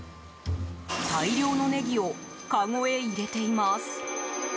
大量のネギをかごへ入れています。